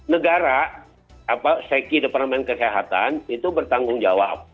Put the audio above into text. negara seki departemen kesehatan itu bertanggung jawab